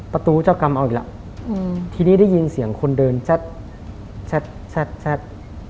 ประตูเจ้ากรรมเอาอีกแล้วทีนี้ได้ยินเสียงคนเดินแจ๊ดแจ๊ดแจ๊ดแจ๊ด